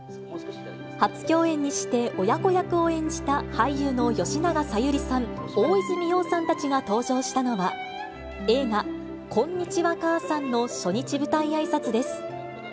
初共演にして親子役を演じた俳優の吉永小百合さん、大泉洋さんたちが登場したのは、映画、こんにちは、母さんの初日舞台あいさつです。